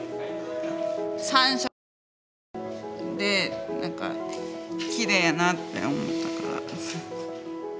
３色で何かきれいやなって思ったから。